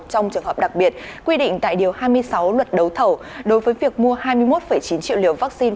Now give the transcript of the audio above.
trong trường hợp đặc biệt quy định tại điều hai mươi sáu luật đấu thầu đối với việc mua hai mươi một chín triệu liều vaccine